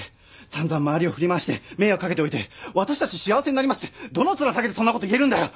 散々周りを振り回して迷惑掛けておいて私たち幸せになりますってどの面下げてそんなこと言えるんだよ。